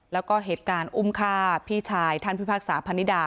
แล้วก็เหตุการณ์อุ้มคาพี่ชายท่านผู้ภาคสาพพันธิดา